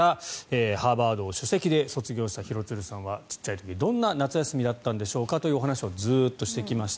ハーバードを首席で卒業した廣津留さんはちっちゃい時どんな夏休みだったんでしょうかというお話をずっとしてきました。